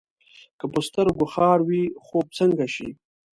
که په سترګو کې خار وي، خوب څنګه شي؟